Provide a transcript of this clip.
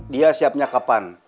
dia siapnya kapan